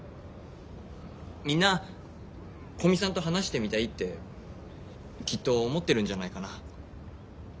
みんな古見さんと話してみたいってきっと思ってるんじゃないかな。